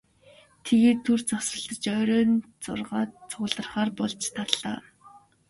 Тэгээд түр завсарлаж оройн зургаад цугларахаар болж тарлаа.